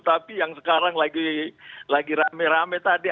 tapi yang sekarang lagi rame rame tadi